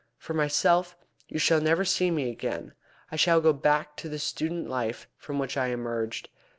For myself, you shall never see me again. I shall go back to the student life from which I emerged.